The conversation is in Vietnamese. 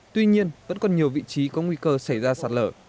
tuy nhiên vẫn còn nhiều vị trí có nguy cơ xảy ra sạt lở